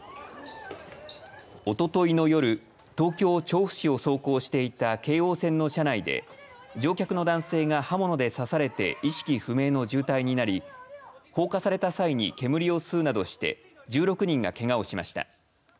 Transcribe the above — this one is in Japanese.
おとといの夜東京調布市を走行していた京王線の車内で乗客の男性が刃物で刺されて意識不明の重体になり放火された際に煙を吸うなどして１６人がけがをしました。